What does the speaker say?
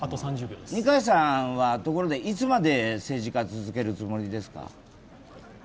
二階さんは、ところでいつまで政治家続けるつもりですか？